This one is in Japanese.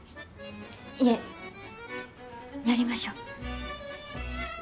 いえやりましょ。